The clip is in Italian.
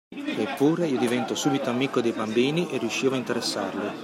Eppure io diventavo subito amico dei bambini e riuscivo a interessarli.